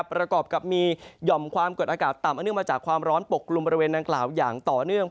ประกอบกับมีหย่อมความกดอากาศต่ำอันเนื่องมาจากความร้อนปกกลุ่มบริเวณดังกล่าวอย่างต่อเนื่อง